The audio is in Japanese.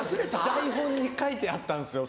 台本に書いてあったんですよ